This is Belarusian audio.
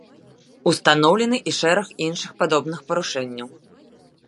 Устаноўлены і шэраг іншых падобных парушэнняў.